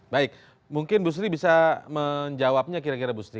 baik mungkin bu sri bisa menjawabnya kira kira bu sri